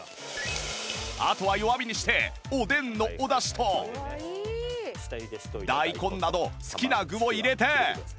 あとは弱火にしておでんのおだしと大根など好きな具を入れて